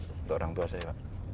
untuk orang tua saya